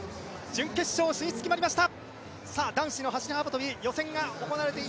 準決勝進出が決まりました。